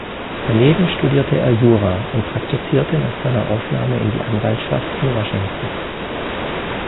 Daneben studierte er Jura und praktizierte nach seiner Aufnahme in die Anwaltschaft in Washington.